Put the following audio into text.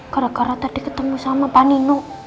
gara gara tadi ketemu sama pak nino